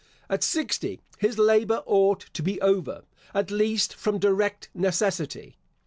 At sixty his labour ought to be over, at least from direct necessity.